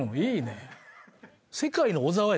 いいね。